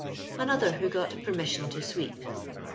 Another who got Peiuiission to Sweep.